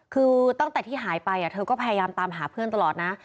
คือตั้งแต่ที่หายไปเธอก็พยายามตามหาเพื่อนตลอดนะ